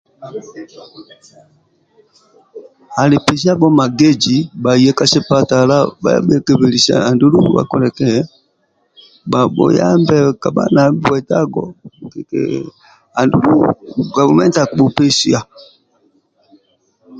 Ali pesiyabho magezi bhaye ka sipatala bhaye bhe keblesiye andulu bhabhuyambe kabha nali bwetagho andulu gavumenti akibhu pesiya